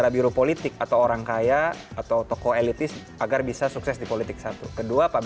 berita terkini dari kpum